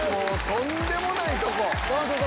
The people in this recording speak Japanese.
とんでもないとこ！